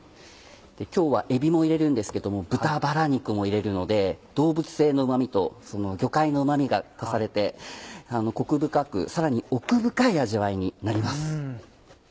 今日はえびも入れるんですけども豚バラ肉も入れるので動物性のうま味と魚介のうま味が足されてコク深くさらに奥深い味わいになります。